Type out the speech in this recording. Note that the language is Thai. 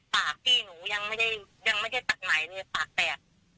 ปากพี่หนูยังไม่ได้ยังไม่ได้ปากไหนเลยปากแตก